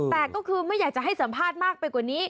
แต่ก็คือไม่อยากจะให้สัมภาษณ์มากไปกว่านี้